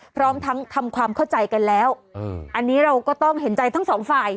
พร้อมทั้งทำความเข้าใจกันแล้วอันนี้เราก็ต้องเห็นใจทั้งสองฝ่าย